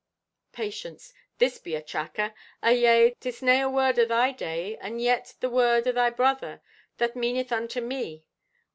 Patience.—"This be a tracker! Ayea, 'tis nay a word o' thy day or yet the word o' thy brother, that meaneth unto me.